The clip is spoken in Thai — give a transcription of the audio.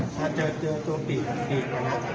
ถ้าเจอตัวปีก